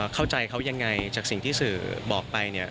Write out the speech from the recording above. เข้าใจเขายังไงจากสิ่งที่สื่อบอกไปเนี่ย